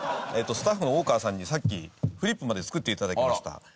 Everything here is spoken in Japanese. スタッフのオオカワさんにさっきフリップまで作っていただきました。